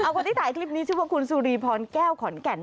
คนที่ถ่ายคลิปนี้ชื่อว่าคุณสุรีพรแก้วขอนแก่น